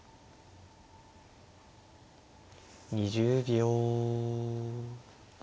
２０秒。